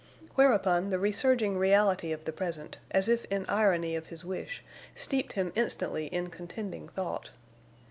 Whereupon the resurging reality of the present, as if in irony of his wish, steeped him instantly in contending thought.